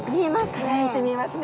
輝いて見えますね。